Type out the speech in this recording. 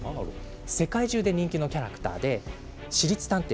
世界中で人気のキャラクターで私立探偵